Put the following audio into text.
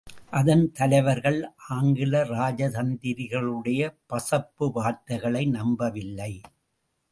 அதன் தலைவர்கள் ஆங்கில ராஜதந்திரிகளுடைய பசப்பு வார்த்தைகளை நம்பவில்லை.